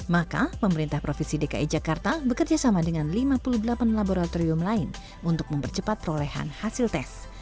maka pemerintah provinsi dki jakarta bekerjasama dengan lima puluh delapan laboratorium lain untuk mempercepat perolehan hasil tes